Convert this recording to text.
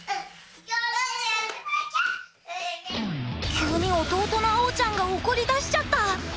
急に弟のあおちゃんが怒りだしちゃった！